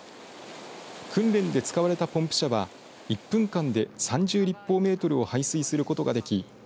訓練で使われたポンプ車は１分間で３０立方メートルを排水することができ